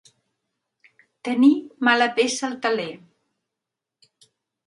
Tenir mala peça al teler.